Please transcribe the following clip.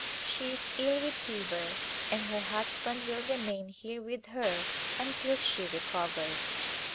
She is ill with fever and her husband will remain here with her until she recovers.